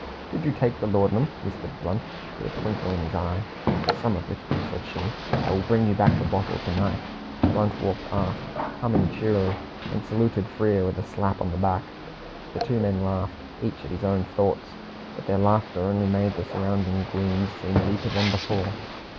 "Did you take the laudanum?" whispered Blunt, with a twinkle in his eye. "Some of it," said she. "I will bring you back the bottle to night." Blunt walked aft, humming cheerily, and saluted Frere with a slap on the back. The two men laughed, each at his own thoughts, but their laughter only made the surrounding gloom seem deeper than before.